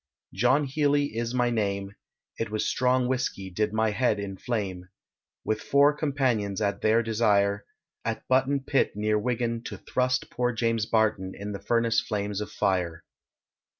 John Healey is my name, It was strong whiskey did my head inflame, With four companions at their desire, At Button Pit near Wigan To thrust poor James Barton in the furnace flames of fire.